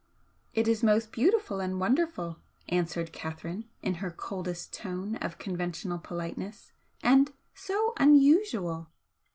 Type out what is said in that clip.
"It is most beautiful and wonderful," answered Catherine, in her coldest tone of conventional politeness, "And so unusual!"